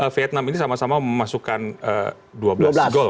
vietnam ini sama sama memasukkan dua belas gol